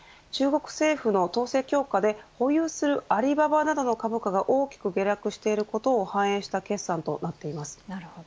中国政府の統制強化で保有するアリババなどの株価が大きく下落していることを反映した決算となっています。